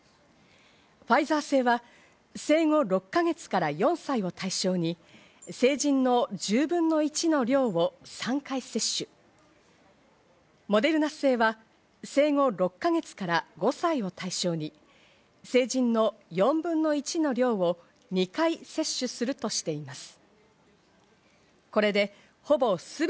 ファイザー製は生後６ヶ月から４歳を対象に、成人の１０分の１の量を３回接種、モデルナ製は生後６ヶ月から５歳を対象に、成人の４分の１の量を２回接種するとしています。